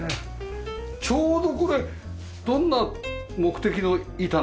ちょうどこれどんな目的の板なんですか？